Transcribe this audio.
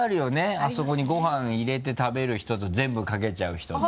あそこにごはん入れて食べる人と全部かけちゃう人と。